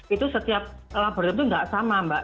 itu setiap laboratorium itu tidak sama mbak